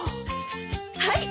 はい。